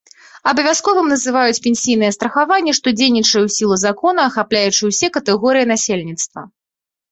Абавязковым называюць пенсійнае страхаванне, што дзейнічае ў сілу закона, ахапляючы ўсе катэгорыі насельніцтва.